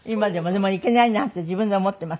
でもいけないなと自分で思っています。